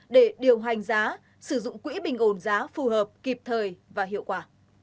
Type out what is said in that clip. để điều hành giá sử dụng quỹ bình ổn giá phù hợp kịp thời và hiệu quả